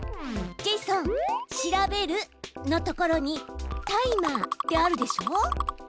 ジェイソン「調べる」のところに「タイマー」ってあるでしょ。